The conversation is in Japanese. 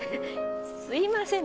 「すいません」。